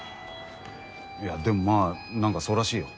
いやでもまあ何かそうらしいよ。